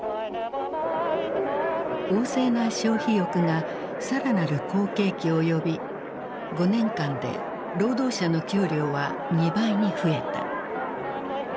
旺盛な消費欲が更なる好景気を呼び５年間で労働者の給料は２倍に増えた。